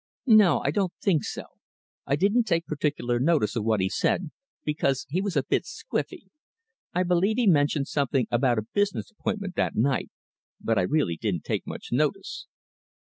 "No! I don't think so. I didn't take particular notice of what he said, because he was a bit squiffy. I believe he mentioned some thing about a business appointment that night, but I really didn't take much notice."